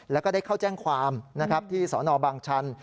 แล้วก็ได้เข้าแจ้งความนะครับที่สนบางชัน